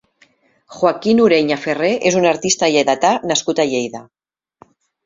Joaquín Ureña Ferrer és un artista lleidatà nascut a Lleida.